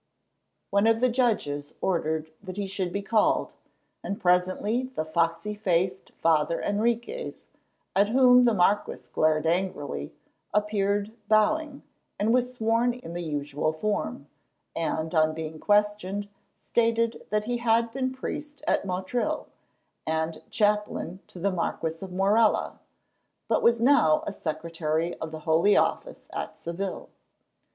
One of the judges ordered that he should be called, and presently the foxy faced Father Henriques, at whom the marquis glared angrily, appeared bowing, and was sworn in the usual form, and, on being questioned, stated that he had been priest at Motril, and chaplain to the Marquis of Morella, but was now a secretary of the Holy Office at Seville.